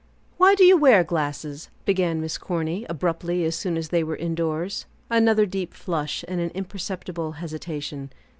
"Why do you wear glasses?" began Miss Corny, abruptly as soon as they were indoors. Another deep flush, and an imperceptible hesitation.